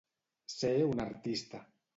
Ser un artista.